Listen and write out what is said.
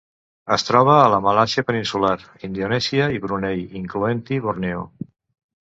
Es troba a la Malàisia peninsular, Indonèsia i Brunei, incloent-hi Borneo.